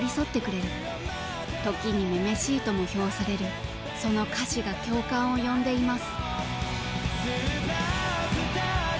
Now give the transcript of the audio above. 時に女々しいとも評されるその歌詞が共感を呼んでいます。